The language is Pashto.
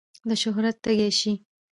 د شهرت تږی شي.